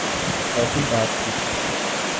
ایسی بات تھی۔